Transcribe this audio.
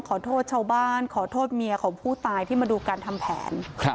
ขอโทษชาวบ้านขอโทษเมียของผู้ตายที่มาดูการทำแผน